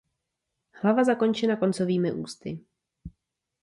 Hlava zakončena koncovými ústy.